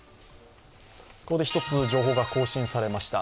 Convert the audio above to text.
ここで１つ、情報が更新されました。